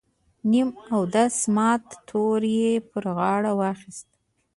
نیم اودس مات تور یې پر غاړه واخیست.